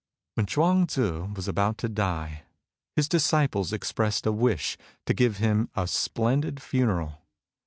'' When Chuang Tzu was about to die, his dis ciples expressed a wish to give him a splendid funeral.